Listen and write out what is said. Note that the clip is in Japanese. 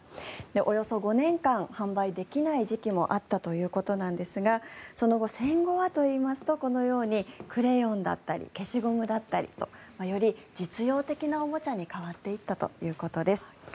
およそ５年間販売できない時期もあったということですがその後、戦後はといいますとこのようにクレヨンだったり消しゴムだったりとより実用的なおもちゃに変わっていったということです。